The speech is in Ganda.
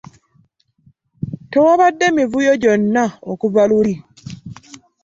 Tewabadde mivuyo gyonna okuva luli.